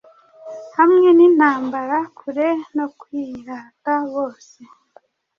Hamwe n intambara kure no kwirata bose